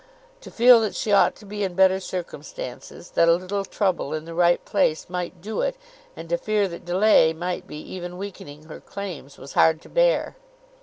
To feel that she ought to be in better circumstances, that a little trouble in the right place might do it, and to fear that delay might be even weakening her claims, was hard to bear.